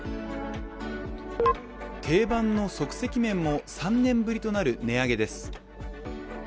定番の即席麺も３年ぶりとなる、値上げです。